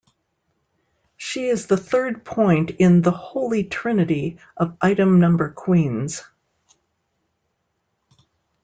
She is the third point in the 'holy trinity' of item number queens.